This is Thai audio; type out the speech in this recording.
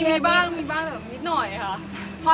มีบ้านแบบนิดหน่อยค่ะ